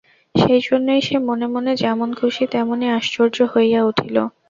সেইজন্যই সে মনে মনে যেমন খুশি তেমনি আশ্চর্য হইয়া উঠিল।